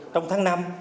trong tháng năm